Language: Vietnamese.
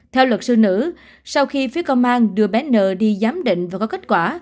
theo luật sư nữ sau khi phía công an đưa bé n đi giám định và có kết quả